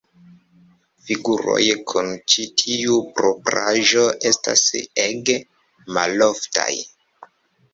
Figuroj kun ĉi tiu propraĵo estas ege maloftaj.